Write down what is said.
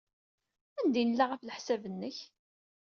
Anda ay nella, ɣef leḥsab-nnek?